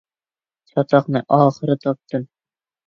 چاتاقنى ئاخىرى تاپتىم.